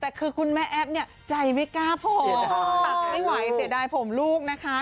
แต่คือคุณแม่แอฟเนี่ยใจไม่กล้าพอตัดไม่ไหวเสียดายผมลูกนะคะ